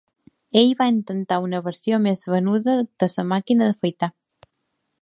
Ell va inventar una versió més venuda de la màquina d'afaitar.